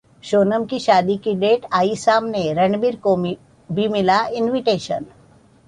सोनम की शादी की डेट आई सामने, रणबीर को भी मिला इन्विटेशन!